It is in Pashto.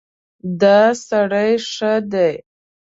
دا سړی ښه دی.